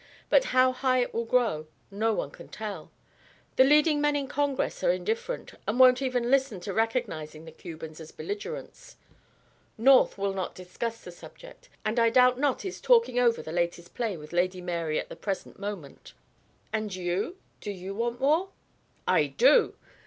But how high it will grow no one can tell. The leading men in Congress are indifferent, and won't even listen to recognizing the Cubans as belligerents. North will not discuss the subject, and I doubt not is talking over the latest play with Lady Mary at the present moment." "And you? Do you want war?" "I do!"